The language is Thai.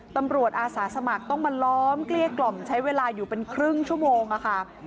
อาสาสมัครต้องมาล้อมเกลี้ยกล่อมใช้เวลาอยู่เป็นครึ่งชั่วโมงค่ะ